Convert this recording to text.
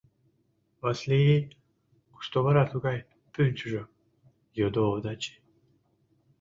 — Васли-ий, кушто вара тугай пӱнчыжӧ? — йодо Овдачи.